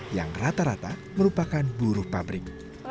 yang rata rata merupakan buruh pabrik